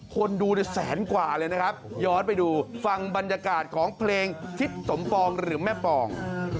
คนดูในแสนกว่าเลยนะครับย้อนไปดูฟังบรรยากาศของเพลงทิศสมปองหรือแม่ปอง